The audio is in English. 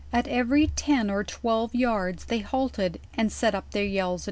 At every ten or twelve yards they halted, and set up their yells.